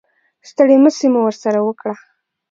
ستړې مسې مو ورسره وکړه.